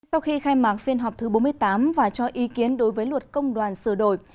sau khi khai mạc phiên họp thứ bốn mươi tám và cho ý kiến đối với luật công đoàn sửa đổi